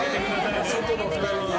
外の２人に。